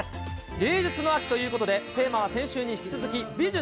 芸術の秋ということで、テーマは先週に引き続き、美術。